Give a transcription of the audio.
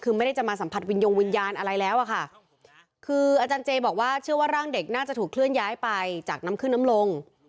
คือไม่ได้จะมาสัมผัสวิญญงวิญญาณอะไรแล้วอะค่ะคืออาจารย์เจบอกว่าเชื่อว่าร่างเด็กน่าจะถูกเคลื่อนย้ายไปจากน้ำขึ้นน้ำลง